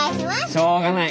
しょうがない。